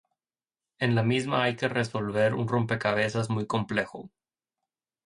En la misma hay que resolver un rompecabezas muy complejo.